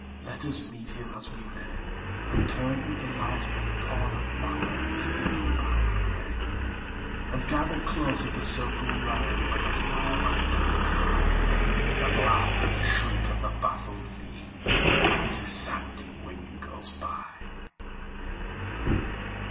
Let us meet him as we may, And turn with the light of the parlor fire his evil power away; And gather closer the circle round, when that fire light dances high, And laugh at the shriek of the baffled Fiend as his sounding wing goes by!